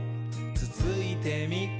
つついてみ？」